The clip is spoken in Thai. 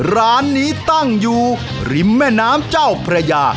ร้านนี้ตั้งอยู่ริมแม่น้ำเจ้าพระยา